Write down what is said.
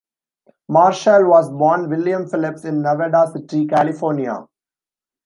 Marshall was born William Phillips in Nevada City, California.